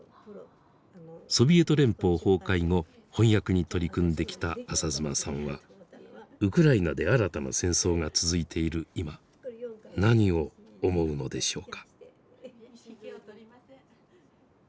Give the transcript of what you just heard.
ソビエト連邦崩壊後翻訳に取り組んできた浅妻さんはウクライナで新たな戦争が続いている今何を思うのでしょうか。